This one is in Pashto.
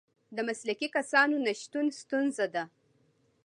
د مسلکي کسانو نشتون ستونزه ده.